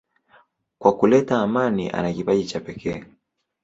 Katika kuleta amani ana kipaji cha pekee.